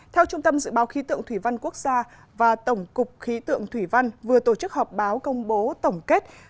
theo trung tâm dự báo khí tượng thủy văn quốc gia và tổng cục khí tượng thủy văn vừa tổ chức họp báo công bố tổng kết